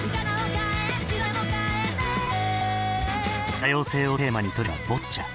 多様性をテーマに取り組んだボッチャ。